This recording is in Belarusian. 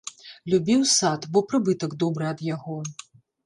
Любіў сад, бо прыбытак добры ад яго.